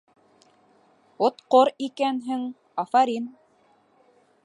— Отҡор икәнһең, афарин!